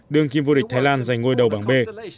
đương kim vô địch thái lan giành ngôi đầu bảng b